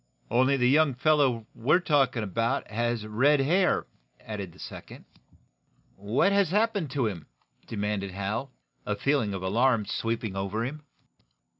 "Only the young feller we're talkin' about has red hair," added the second. "What has happened to him?" demanded Hal, a feeling of alarm sweeping over him.